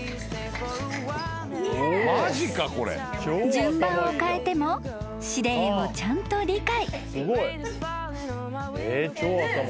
［順番を変えても指令をちゃんと理解］